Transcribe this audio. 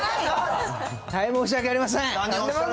大変申し訳ありません。